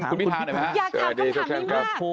คุณภิษฐานด้วยไหมฮะ